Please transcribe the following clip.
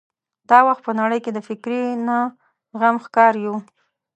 دا وخت په نړۍ کې د فکري نه زغم ښکار یو.